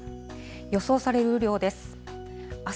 予想される雨量です。